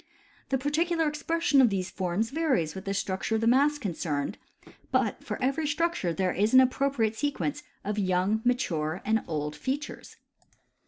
The particular expression of these forms varies with the structure of the mass concerned ; but for every structure there is an appropriate sequence of young, mature, and old features.